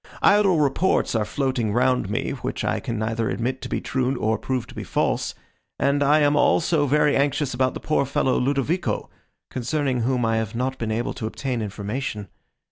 Idle reports are floating round me, which I can neither admit to be true, nor prove to be false; and I am, also, very anxious about the poor fellow, Ludovico, concerning whom I have not been able to obtain information.